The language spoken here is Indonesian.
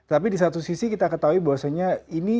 tapi di satu sisi kita ketahui bahwasannya ini